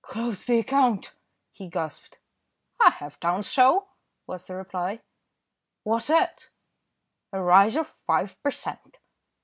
"Close the account," he gasped. "I have done so," was the reply. "What at?" "A rise of five per cent."